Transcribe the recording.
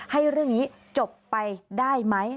ให้เรื่องนี้จบไปได้ไหม